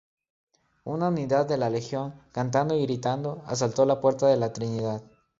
Una unidad de la Legión, cantando y gritando, asaltó la Puerta de la Trinidad.